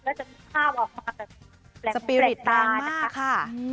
ก็จะมีภาพออกมาแบบแปลกเป็นตาสปีริตรร้างมากค่ะ